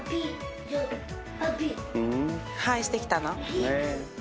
ハイしてきたの？